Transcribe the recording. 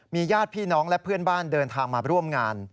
ญาติพี่น้องและเพื่อนบ้านเดินทางมาร่วมงาน